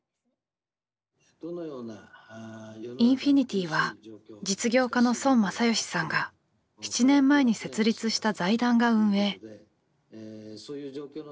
インフィニティは実業家の孫正義さんが７年前に設立した財団が運営。